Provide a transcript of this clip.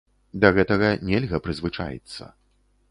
Да гэтага нельга прызвычаіцца.